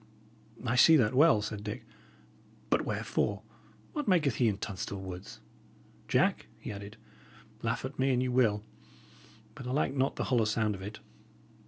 "I see that well," said Dick. "But wherefore? What maketh he in Tunstall Woods? Jack," he added, "laugh at me an ye will, but I like not the hollow sound of it."